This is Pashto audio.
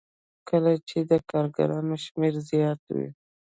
کله چې د کارګرانو شمېر زیات وي